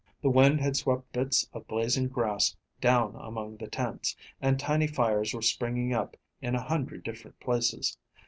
The wind had swept bits of blazing grass down among the tents, and tiny fires were springing up in a hundred different places.